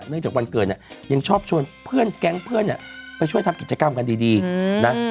จากวันเกิดเนี่ยยังชอบชวนเพื่อนแก๊งเพื่อนเนี่ยไปช่วยทำกิจกรรมกันดีนะ